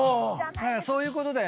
そういうことだよね。